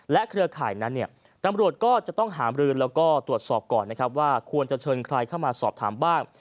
เครือข่ายนั้นเนี่ยตำรวจก็จะต้องหามรือแล้วก็ตรวจสอบก่อนนะครับว่าควรจะเชิญใครเข้ามาสอบถามบ้าง